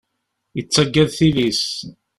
Ittagad tili-s.